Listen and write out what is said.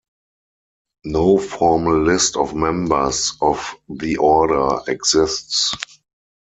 No formal list of members of the order exists.